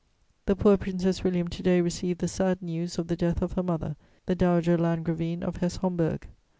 "The poor Princess William to day received the sad news of the death of her mother, the Dowager Landgravine of Hesse Homburg.